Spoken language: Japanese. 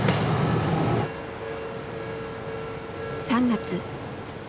３月。